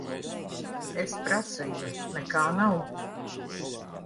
Es prasīju. Nekā nav.